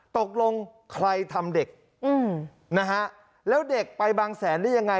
ตกลงใครทำเด็กนะฮะแล้วเด็กไปบางแสนได้ยังไง